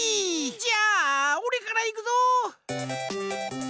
じゃあおれからいくぞ！